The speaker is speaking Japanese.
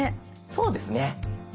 そうですね。